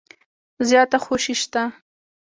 زیاته خوشي شته .